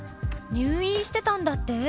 「入院してたんだって？